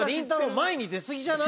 前に出すぎじゃない？